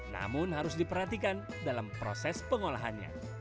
namun harus diperhatikan dalam proses pengolahannya